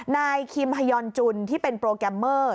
นายคิมฮายอนจุนที่เป็นโปรแกรมเมอร์